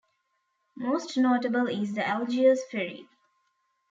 Most notable is the Algiers Ferry.